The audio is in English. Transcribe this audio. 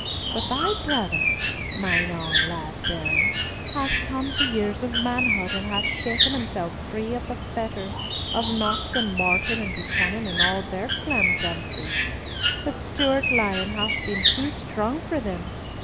But thy brother, mine ain lad bairn, hath come to years of manhood, and hath shaken himself free of the fetters of Knox and Morton and Buchanan, and all their clamjamfrie. The Stewart lion hath been too strong for them.